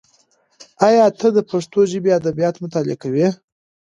ایا ته د پښتو ژبې ادبیات مطالعه کوې؟